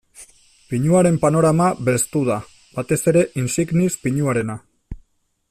Pinuaren panorama belztu da, batez ere insignis pinuarena.